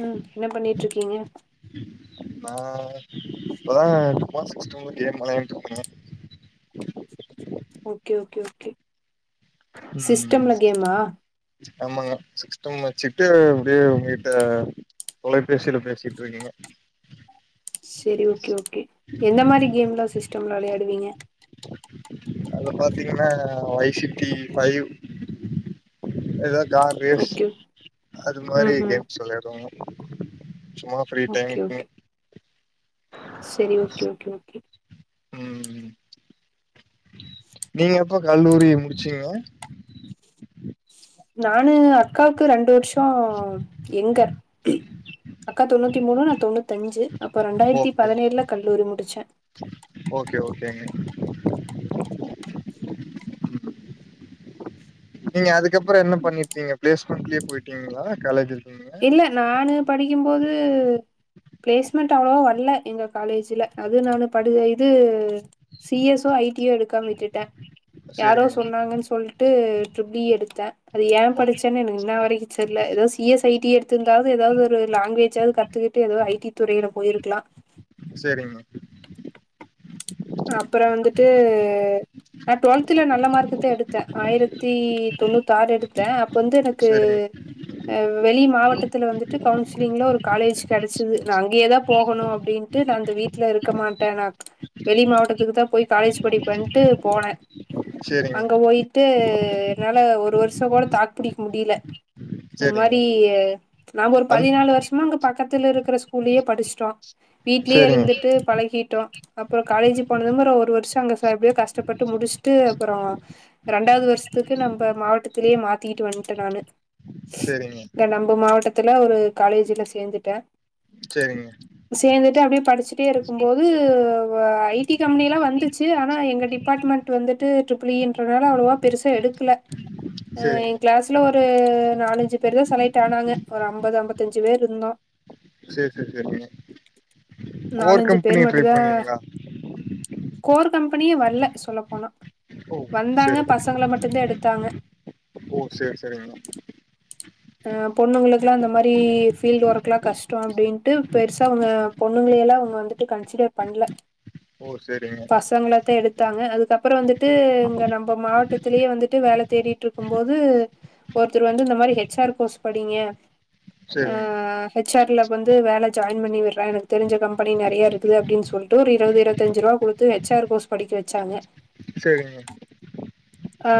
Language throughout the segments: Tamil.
ம் என்ன பண்ணிட்டு இருக்கீங்க நான் இப்பதாங்க [unintelligible] ஓகே ஓகே ஓகே ம் சிஸ்டம்ல கேமா ஆமாங்க சிஸ்டம் வச்சுட்டு அப்டியே உங்கிட்ட தொலைபேசியில பேசிட்டு இருக்கீங்க செரி ஓகே ஓகே எந்த மாரி கேம்லா சிஸ்டம்ல விளையாடுவீங்க அத பாத்தீங்கன்னா வைஃசிட்டி ஃபைவ் எதா கார் ரேஸ் ஓகே அது ம் மாரி ம் கேம்ஸ் வெளையாடுவாங்க சுமா ஃபிரீ டைம்க்குங்க சேரி ஓகே ஓகே ஓகே ம் நீங்க எப்போ கல்லூரி முடிச்சிங்க நானு அக்காவுக்கு ரெண்டு வருஷோ எங்க அக்கா தொண்ணூத்தி மூணு நா தொண்ணூத்தி அஞ்சு அப்போ ரெண்டாயிரத்தி ஓகே பதினேழுல கல்லூரி முடிச்சே [unintelligible] நீங்க அதுக்கப்புற என்ன பண்ணிட்டீங்க பிளேஸ்மெண்ட்லயே போயிட்டீங்களா காலேஜ் இல்ல நானு படிக்கும்போது பிளேஸ்மெண்ட் அவ்வளவா வரல எங்க காலேஜல அது நா படு இது C S or I T எடுக்காம விட்டுட்டே யாரோ சேரிங்க சொன்னாங்கன்னு சொல்ட்டு ட்ரிப்ள் இ எடுத்தே அது ஏ ஓகே படிச்சேன்னு எனக்கு இன்ன வரைக்கு தெரியல ஏதோ சி எஸ் ஐ டி எடுத்திருந்தாவது ஏதாவது ஒரு லாங்குவேஜாவது கத்துக்கிட்டு ஏதாவது ஐ டி துறையில போயிருக்கலா செரிங்க அப்புற வந்துட்டு நா டுவெல்தல நல்ல மார்க்கு தா எடுத்தே ஆயிரத்தி தொண்ணூத்தாறு எடுத்தே வந்து எனக்கு சேரிங்க அ வெளி மாவட்டத்துல வந்துட்டு கவுன்சிலிங்ல ஒரு காலேஜ் கெடைச்சது நா அங்கேயேதா போகணு அப்டின்னுட்டு நா அந்த வீட்ல இருக்க மாட்டே நா வெளி மாவட்டத்துக்கு தா போய் காலேஜ் படிப்பேன்ட்டு போனே சேரிங்க அங்க போயிட்டு என்னால ஒரு வருஷோ கூட தாக் புடிக்க முடியல ஒரு சேரிங்க மாரி நாம ஒரு அந் பதினாலு வருஷமா அங்க பக்கத்துல இருக்கிற ஸ்கூல்லயே படிச்சுட்டோ வீட்லயே சேரிங்க இருந்துட்டு பழகிட்டோ அப்புறோ காலேஜ் போனதும்புற ஒரு வருஷோ அங்க எப்டியோ கஷ்டப்பட்டு முடிச்சுட்டு அப்புறோ ரெண்டாவது வருஷத்துக்கு நம்ம மாவட்டத்திலயே மாத்திக்கிட்டு வன்ட்டே நானு சேரிங்க நம்ப மாவட்டத்துல ஒரு காலேஜ்ல சேந்துட்ட செரிங்க அப்டியே படிச்சுட்டே இருக்கும்போது ஐடி கம்பெனிலா வந்துச்சு ஆனா எங்க டிபார்ட்மெண்ட் வந்துட்டு ட்ரிபிள்இ ன்றனால அவ்வளவா பெருசா எடு க்கல சேரிங்க என் கிளாஸ்ல ஒரு ஒரு நாலஞ்சு பேரு தா செலட்டு ஆனாங்க ஒரு ஐம்பது ஐம்பத்தஞ்சு பேரு இருந்தோ சேரி சேரி சேரிங்க கோர் நாலஞ்சு பேர் கம்பெனி ட்ரை மட்டுந்தா பண்ணீங்களா கோர் கம்பெனியே வர்ல சொல்ல போனா ஓ வந்தாங்க சேரிங்க பசங்கள மட்டுந்தா எடுத்தாங்க ஓ சேரி சேரிங்க பொண்ணுங்களுக்குகேல்லா அந்த மாரி ஃபீல்ட ஒர்க் எல்லா கஷ்ட அப்படின்ட்டு பெருசா அவங்க பொண்ணுங்க எல்லா அவுங்க வந்துட்டு கன்சிடர் பண்ல ஓ சேரிங்க த்தாங்க அதுக்கப்பற வந்துட்டு இங்க நம்ம மாவட்டத்திலேயே வந்துட்டு வேல தேடிட்டு இருக்கும் போது ஒருத்தர் வந்து இந்த மாரி ஹெச்ஆர் கோர்ஸ் படிங்க அ சேரிங்க ஹெச்ஆர்ல வந்து வேலை ஜாயின் பண்ணி விடுற எனக்கு தெரிஞ்ச கம்பெனி நெறய இருக்குது அப்படின்னு சொல்லிட்டு ஒரு இருபது இருபத்தஞ்சு ரூவா குடுத்து ஹெச்ஆர் கோர்ஸ் படிக்க வச்சாங்க சேரிங்க ஆ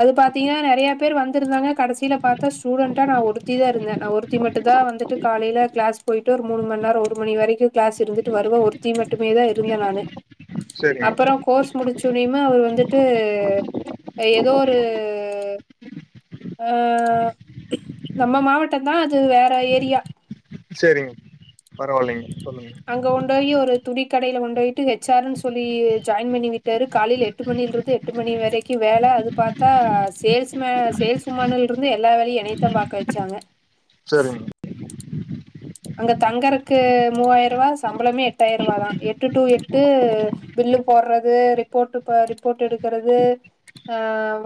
அது பாத்தீங்ன்னா நெறய பேர் வந்திருந்தாங்க கடைசில பாத்தா ஸ்டூடன்டா நான் ஒருத்தி தா இருந்த நா ஒருத்தி மட்டு தா வந்துட்டு காலையில கிளாஸ் போயிட்டு ஒரு மூணு மணி நேர ஒரு மணி வரைக்கு கிளாஸ் இருந்துட்டு வருவ ஒருத்தி மட்டுமே தா இருந்த நானு சேரிங்க அப்பற கோர்ஸ் முடிச்சுனுமே அவர் வந்துட்டு ஏதோ ஒரு அ நம்ம மாவட்டந்தா அது வேற ஏரியா சேரிங்க பரவாயில்லைங்க சொல்லுங்க அங்க உண்டாயி ஒரு துணி கடையில கொண்டு போயிட்டு ஹெ ச் ஆர் னு சொல்லி ஜாயின் பண்ணி விட்டாரு காலையில எட்டு மணியில இருந்து எட்டு மணி வரைக்கு வே வேல அது பாத்தா சேல்ஸ்ம சேல்ஸ் வுமன்ல இருந்து எல்லா வேலயு என்னைத்தா பாக்க வச்சாங்க சேரிங்க அங்க தங்கருக்கு மூவாயிர ரூவா சம்பளமே எட்டாயிரரூவா தா எட்டு டூ எட்டு பில் பில்லு போடுறது ரிப்போட் ரிப்போட் எடுக்கறது ஆ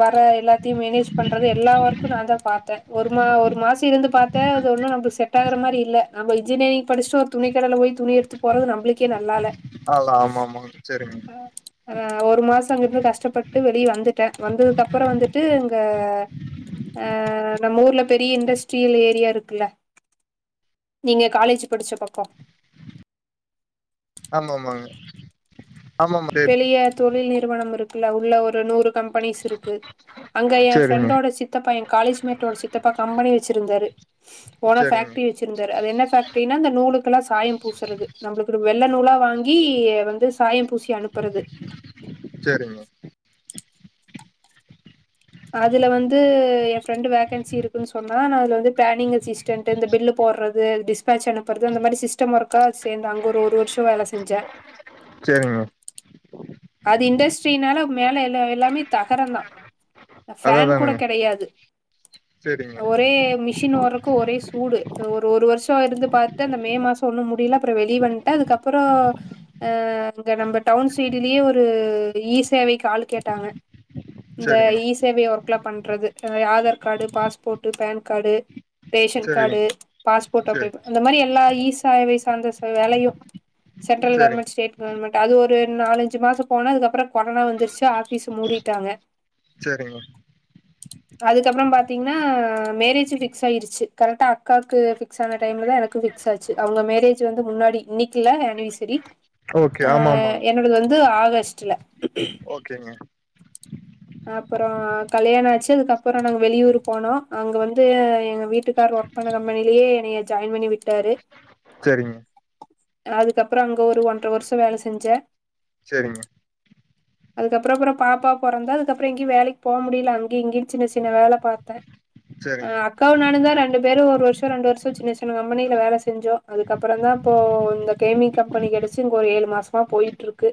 வர எல்லாத்தையு மேனேஜ் பண்றது எல்லா ஒர்க்கு நா தா பார்த்த ஒரு மா ஒரு மாச இருந்து பாத் பாத்த அது ஒன்னும் நம்மளுக்கு செட் ஆகுற மாரி இல்ல நம்ம இன்ஜியரிங் படிச்சுட்டு ஒரு துணி கடையில போய் துணி எடுத்து போடறது நம்ளுக்கே நல்லால்ல ஆல ஆமா ஆமாங்க சேரிங்க அ ஒரு மாச அங்கிருந்து கஷ்டப்பட்டு வெளிய வந்துட்ட வந்ததுக்கு அப்புற வந்துட்டு இங்க அ நம்ம ஊர்ல பெரிய இண்டஸ்ட்ரியல் ஏரியா இருக்குல்ல நீங்க காலேஜ் படிச்ச பக்க ஆமா ஆமாங்க ஆமா ஆமா சேரி பெலிய தொழில் நிறுவனம் இருக்குல்ல உள்ள ஒரு நூறு கம்பெனிஸ் இருக்கு அங்க எ சேரிங்க ஃப்ரெண்டோட சித்தப்பா என் காலேஜ்மேட்டோட சித்தப்பா கம்பெனி வச்சிருந்தாரு ஓனா சேரிங்க ஃபேக்டரி வச்சிருந்தாரு அது என்ன ஃபேக் டினா அந்த நூலுக்கெல்லா சாயம் பூசுறது நம்மளுக்கு வெள்ள நூலா வாங்கி வந்து சாயம் பூசி அனுப் அப்புறது சேரிங்க அதுல வந்து எ ஃப்ரெண்டு வேகன்சி இருக்குன்னு சொன்னா நான் அது வந்து பிளானிங் அஜிஸ்டன்டு இந்த பில்லு போ போடுறது டிஸ்பட்ச் அனுப்புறது அந்த மாரி சிஸ்டம் ஒர்கா சேந்து அங்க ஒரு ஒரு வருஷ வேல செஞ்சே சேரிங்க அது இண்டஸ்ட்ரினால மேல எல்லா எல்லாமே தகரந்தா அதா ஃபேன் கூட அதானுங்க கெடையாது சேரிங்க ஒரே மிஷின் ஓட்ற கு ஒரே சூடு ஒரு ஒரு வருஷோ இருந்து பாத்தே அந்த மே மாசொ ஒன்னு முடில அப்பறோ வெளிய வன்ட்டே அதுக்கப்பறோ அ அங்க நம்ம டவுன் சைட் இதுலயே ஒரு இ சேவைக்கு ஆளு கேட்டாங்க இந்த சேரிங்க இ சேவை ஒர்க் லா பண்றது அத Aadhaar card passport pan card ration சேரிங்க கார்டு பாஸ்போர்ட் அப்ளே சேரி பண் அந்த மாரி எல்லா இ இ சாவை சார்ந்த ச வேலயு சென்ட்ரல் கவர்மண்ட் சேரிங்க ஸ்டேட் கவர்மண்ட் அது ஒரு நாலஞ் சு மாசொ போனா அதுக்கப்பறோ கொரனா வந்துருச்சா ஆஃபீஸ் மூடிட்டாங்க சேரிங்க அதுக்கப்பறோ பாத்தீங்கன்னா மேரேஜு பிக்ஸ் ஆய்ருச்சு கரக்டா அக்காக்கு ஃபிக்ஸ் ஆன டைம்ல தா எனக்கு ஃபிக் ஸ் ஆச்சு அவுங்க மேரேஜ் வந்து முன்னாடி இன்னைக்குல ஆன்னிவர்சரி ஓகே அ ஆமா ஆமாங்க என்னோடது வந் து ஆகஸ்ட்ல ஓகேங்க அப்பறோ கல்யாணொ ஆச்சு அதுக்கப்பறோ நாங்க வெளியூர் போனோ அங்க வந்து எங்க வீட்டுக்காரு ஒர்க் பண்ண கம்பெனிலயே என்னைய ஜாய்ன் பண்ணி விட்டாரு சேரிங்க அதுக்கப்பறோ அங்க ஒரு ஒன்ற வருஷோ வேல செஞ்சே சேரிங்க அதுக்கப்பறோ அப்பறோ பாப்பா பொறந்தா அதுகப்பறோ எங்கியு வேலைக்கு போ முடில அங்கெ இங்கென் சின்ன சின்ன வேல பாத்தே அ சேரிங்க அக்காவு நானு தா ரெண் டு பேரு ஒரு வர்ஷோ ரெண்டு வர்ஷோ சின்ன சின்ன கம்பெனில வேல செஞ்சோ அதுக்கப்பறோ தா இப்போ இந்த கேமி கம்பெனி கெடைச்சு இங்க ஒரு ஏழு மாசமா போயிட்டு இருக்கு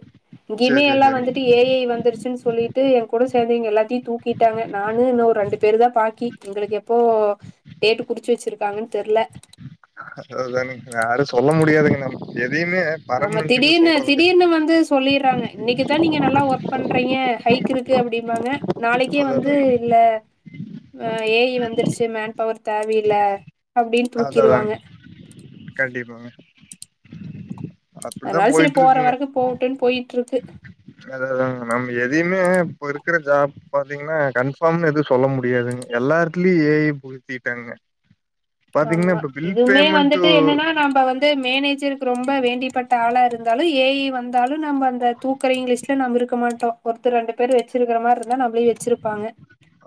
இங்கயுமே சேரி சேரி எல்லா சேரிங்க வந்துட்டு ஏ ஐ வந்துருச்சுன் சொல்லிட்டு எங் கூட சேந்து எங்க எல்லாத்தையு தூக்கிட்டாங்க நானு இன்னொ ஒரு ரெண்டு பேரு தா பாக்கி எங்களுக்கு எப்போ டேட்டு குறுச்சு வச்சுருக்காங்கன் தெர்ல அதா அதானுங்க யாரு சொல்ல முடியாதுங்க நம்ம எதையுமே ஆமா பர்மனன்ட்ன்னு திடீர்னு சொல்றதுக்கு திடீர்னு வந்து சொல்லிற்றாங்க இன்னக்கிதா நீங்க நல்லா ஒர் பண்றீங்க ஹைக் இருக்கு அப்டிம்பாங்க நாளைக்கே அத வந்து அத இல்ல ஆ ஏ ஐ வந்துருச்சு மேன் பவர் தேவ இல்ல அப்டின் அத தூக்கிற்வாங்க அதாங்க கண்டிப்பாங்க அப்டித்தா அதுனால சேரி போயிட்டு போற இருக்குங்க வரக்கு போகட்டுன் போயிட்ருக்கு அதா அதானுங்க நம்ம எதையுமே இப்ப இருக்கிற ஜாப் பாத்தீங்கன்னா கன்ஃபார்ம் எது சொல்ல முடியாதுங்க எல் எல்லா எடத்துலயு ஏ ஐ புகுத்திட்டாங்க பாத்தீங்கன்னா ஆமா இப்ப பில் இதுவுமே பேமெண்ட்டு வந்துட்டு என்னன்னா நாப வந்து மேனே ஜருக்கு ரொம்ப வேண்டியப்பட்ட ஆளா இருந்தாலு ஏ ஐ வந்தாலு நம்ம அந்த தூக்கறயங் லிஸ்ட்ல நம்ம இருக்க மாட்டோ ஒருத்தர் ரெண்டு பேர வச்சிருக்கற மார் இருந்தா நம்பளயு வச்சிருப்பாங்க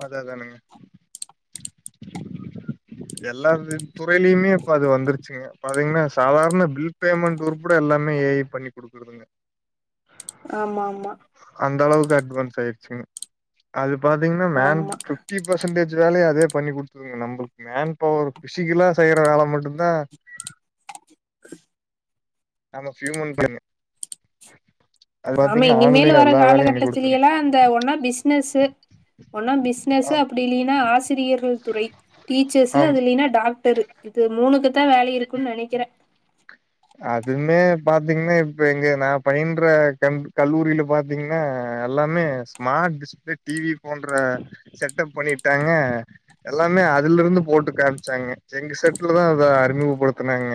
அதே தானுங்க எல்லா து துறைலயுமே இப்ப அது வந்துருச்சுங்க பாத்தீங்கன்னா சாதாரண பில் பேமெண்ட் உற்பட எல்லா எல்லாமே ஏ ஐ பண்ணி குடுக்குறதுங்க ஆமா ஆமா அந்த அளவுக்கு அட்வான்ஸ் ஆய்றுச்சுங்க அது பாத்தீங்கன்னா மேன் ஆமா ஃபிப்டி பர்சன்டேஜ் வேலய அதுவே பண்ணி குடுத்துதுங்க நம்பளுக் மேன் பவர் ஃபிசிக்கலா செய்யற வேல மட்டுந்தா ஆமா பியூமன் பேணு ஆமா இனிமேலு வர குடுத்துரும். காலகட்டத்திலேயலா அந்த ஒன்னா பிஸ்னஸு ஒன்னு பிஸ்னஸு ஆம் அப்டி இல்லீனா ஆசிரியர்கள் துறை டீச்சர்ஸு ஆம். அது இல்லீனா டாக்டரு இது மூணுக்கு தா வேலை இருக்குன் நெனைக்கிறே அதுமே பாத்தீங்கன்னா இப்போ எங்க நா பயின்ற கன் கல்லூரில பாத்தீங்கன்னா எல்லா ஸ்மார்ட் டிஸ்பிளே டிவி போன்ற செட்டப் பண்ணிட்டாங்க எல்லாமே அது ல இருந்து போட்டு காமிச்சாங்க எங்க செட்ல தா அத அறிமுகப்படுத்துனாங்க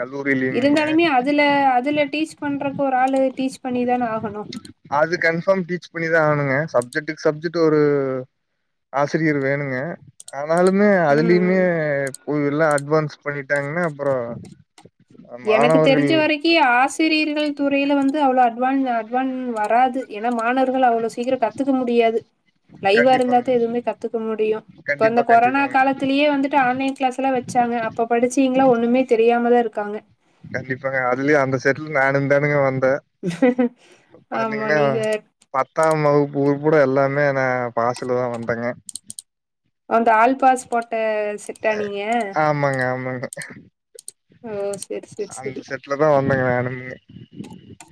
கல்லூரிலயுமேங்க. இருந்தாலுமே அதுல அதுல டீச் பண்றக்கு ஒரு ஆளு டீச் பண்ணிதான ஆகணு கன்பார்ம் டீச் பண்ணிதா ஆகணுங்க சப்ஜெக்ட்க்கு சப்ஜெக்ட் ஒரு ஆசிரியர் வேணுங்க ஆம் இருந்தாலுமே ம் அதுலயுமே ம் போ எல்லா அட்வான்ஸ் பண்ணிட்டாங்கன்னா அப்பறோ எனக்கு தெரிஞ்ச வரக்கி ஆசி ரியர்கள் துறையில வந்து அவ்ள அட்வான் அட்வான் வராது ஏன்னா மாணவர்கள் அவ்ளோ சீக்கிரோ கத் துக்க முடியாது லைவா கண்டிப்பாங்க இருந்தாத்தா எதுவுமே கத்துக்க முடியு இப்ப அந்த கண்டிப்பா கொரோனா கண்டிப்பாங்க காலத்திலயே வந்துட்டு ஆன்லைன் கிளாஸ் எல்லா வச்சாங்க அப்ப படிச்சீங்களா ஒண்ணுமே தெரியாமதா இருக்காங்க கண்டிப்பாங்க அதுலயு அந்த செட்ல நானு தானுங்க வந் தே ஆமா பாத்தீங்கன்னா நீங்க பத்தாம் வகுப்பு ஊர் பூட எல்லாமே நா பாஸ்ல தா வந்தேங்க அந்த ஆல்பாஸ் போட்ட செட்டா நீங்க ஆமாங்க ஆமாங்க ஓ செரி செரி செரி மெய்யாலும்ங்க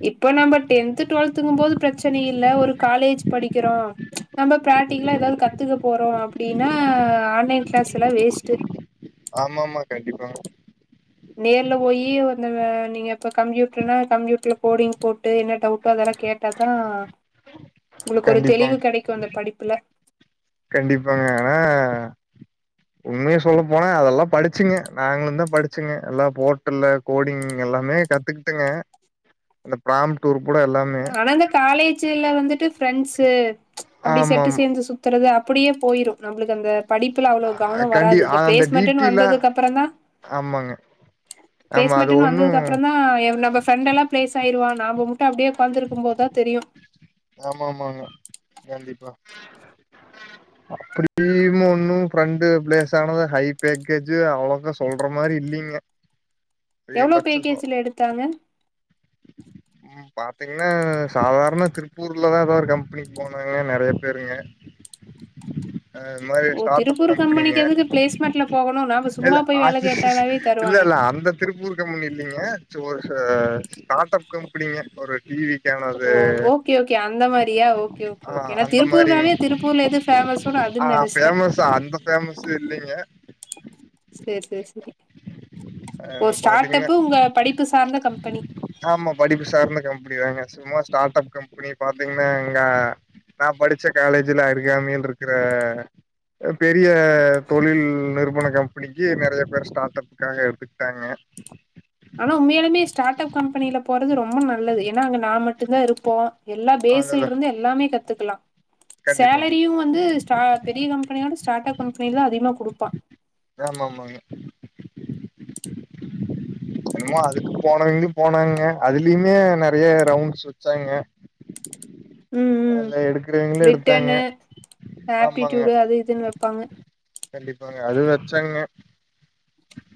இப்ப நம்ம டென்த் டுவெல்த்துங்கும் போது பிரச்சன இல்ல ஒரு காலேஜ் படிக்கிறோ நம்ப பிராக்டிக்கலா ஏதாது கத்துக்க போறோ அப்டின்னா ஆன்லைன் கிளாஸ் எல்லா வேஸ்ட்டு ஆமா ஆமா கண்டிப்பா நேர்ல போய் இந்த நீங்க இப்ப கம்ப்யூட்டர்னா கம்ப்யூட்டர்ல கோடிங் போட்டு என்ன டவுட் சோ அதெல்லா கேட்டாத்தா உங்களுக்கு ஒரு தெளிவு கண்டிப்பாங்க கெடைக்கு அந்த படிப்புல கண்டிப்பாங்க ஆனா உண்மய சொல்ல போனா அதெல்லா படிச்சிங்க நாங்களுந்தா படிச்சங்க எல்லா போ்ட்டல்ல கோடிங் எல்லாமே கத்துக்கிட்டேங்க அந்த பிராம்டூர் ஆனா இந்த காலேஜ்ல வந்துட்டு ஃப்ரெண்ட்ஸு அப்டி செட்டு ஆமாமா சேந்து சுத்துறது அப்டியே போயிரு நம்பளுக்கு அந்த படிப்புல அவ்ளோ கவனோ கண்டி வராது இந்த அந்த பிளேஸ்மெண்ட்டுன்னு டீட்டெய்லா வந்ததுக்கு அப்பறந்தா ஆமாங்க ஆமா அது பிளேஸ்மெண்ட்டுன்னு ஒண்ணு வந்ததுக்கு அப்பறந்தா நம்ப ஃப்ரெண்டெல்லா பிளேஸ் ஆயிருவா நாம மட்டு அப்டியே உக்காந்திருக்கு போதுதா தெரியு ஆமா ஆமாங்க கண்டிப்பா அப்டியும் ஒன்னு ஃப்ரெண்ட் பிளேஸ் ஆனத ஹை பேக்கேஜ் அவ்ளோக்க சொல்ற மாரி இல்லீ ங்க எவ்ளோ பேக்கேஜ்ல எடுத்தாங்க ம் பாத்தீங்கன்னா சாதாரண திருப்பூர்லதா ஏதோ ஒரு கம்பெனிக்கு போனாங்க நெறைய பேருங்க அ இது மாரி ஓ ஸ்டார்ட் அப் திருப்பூர் கம்பெனிங்க கம்பெனிக்கு எதுக்கு பிளேஸ்மெண்ட்ல போகணு நாம இல்ல சும்மா போய் வேல அது கேட்டாலாவே இல்ல தருவானே இல்ல அந்த திருப்பூர் கம்பெனி இல்லீங்க ஒரு ஸ்டார்ட் அப் கம்பெனிங்க ஒரு டி வி ஓ ஓகே ஓகே அந்த மாரியா ஓகே ஓகே ஆ ஓகே நா அந்த மாரிங்க திருப்பூர்ணாவே திருப்பூர்ல எது ஃபேமஸ் ஆ ஃபேமஸ் அந்த ஃபேமஸ் இல்லீங்க சேர் சேர் செரி ஓ அது ஸ்டார்ட் பாத்தீங்கன்னா அப்பு உங்க படிப்பு சார்ந்த கம்பெனி ஆமா படிப்பு சார்ந்த கம்பெனி தாங்க சும்மா ஸ்டார்ட் அப் கம்பெனி பாத்தீங்கன்னா எங்க நா படிச்ச காலேஜ் ல இர்க்காணியல் இருக்குற பெரிய தொழில் நிறுவன கம்பெனிக்கு நிறைய பேர் ஸ்டார்ட் அப்க்காக எடுத்துக்கிட்டாங்க ஆனா உம்மையாலுமே ஸ்டார்ட் அப் கம்பெனில போறது ரொம்ப நல்லது ஏன்னா அங்க நா மட்டுந்தா இருப்போ எல்லா பேஸ்ல அதுதா இருந்து எல்லாமே கத்துக்கலா கண்டிப்பாங்க சேலரியும் வந்து ஸ்ட்ரா பெரிய கம்பெனியோட ஸ்டார்ட் அப் கம்பெனியில தான் அதிகமா குடுப்பான் ஆமா ஆமாங்க என்னமோ அதுக்கு போனவங்க போனாங்க அதுலயுமே நிறைய ரவுண்ட்ஸ் வச்சாங்க ம் ம் அதுல எடுக்குறவுங்கள எடுத்தாங்க ரிட்டனு ஆமாங்க ஆப்டிடியூடு அது இதுன்னு வெப்பாங்க கண்டிப்பாங்க அது வச்சாங்க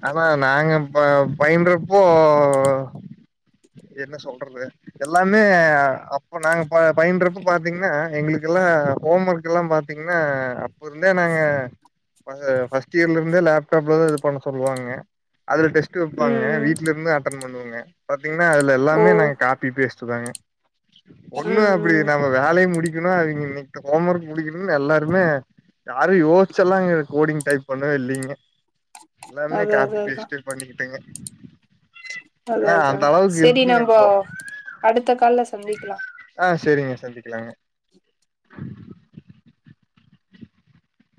ஆனா நாங்க ப பயின்றப்போ என்ன சொல்றது எல்லாமே அப்போ நாங்க பயி பயின்றப்ப பாத்தீங்கன்னா எங்களுக்குல்லா ஹோம் ஒர்க் எல்லாம் பாத்தீங்கன்னா அப்ப இருந்தே நாங்க கொஞ்ச ஃபர்ஸ்ட் இயர்ல இருந்தே லேப்டாப்ல தா இது பண்ணு சொல்லுவாங்க அதுல டெஸ்ட் ம் வைப்பாங்க ம் வீட்ல இருந்து அட்டன் பண்ணுவங்க ப பாத்தீங்கன்னா அதுல ஓ எல்லாமே நாங்க காப்பி பேஸ்ட் தாங்க ஒண்ணும் ம் அப்படி ம் நம்ம வேலைய முடி எப்டினா அவங்க இன்னைக்கு ஹோம் ஒர்க் முடிக்கணும்னு எல்லாருமே யாரும் யோசிச்சு எல்லாம் இங்க கோடிங் டைப் பண்ண இல்லீங்க எல்லாமே அது அது காப்பி அதா பேஸ்ட்டு பண்ணிக்கிட்டேங்க அது ஆஹ் அதுதா அந்த அளவுக்கு செரி இருக்குங்க நம்போ இப்போ அடுத்த கால்ல சந்திக்கலா ஆஹ் செரிங்க சந்திக்கலாங்க [inaudible]